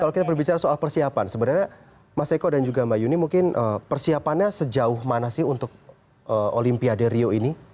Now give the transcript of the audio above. kalau kita berbicara soal persiapan sebenarnya mas eko dan juga mbak yuni mungkin persiapannya sejauh mana sih untuk olimpiade rio ini